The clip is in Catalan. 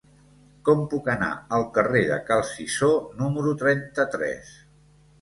Com puc anar al carrer de Cal Cisó número trenta-tres?